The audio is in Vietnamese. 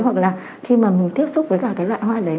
hoặc là khi mà mình tiếp xúc với cả cái loại hoa đấy